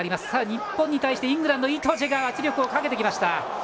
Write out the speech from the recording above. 日本に対してイングランドイトジェが圧力をかけてきました。